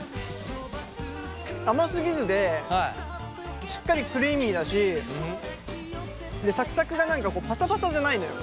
甘すぎずでしっかりクリーミーだしさくさくが何かパサパサじゃないのよ。